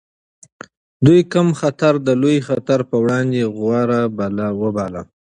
دوی کم خطر د لوی خطر پر وړاندې غوره وباله.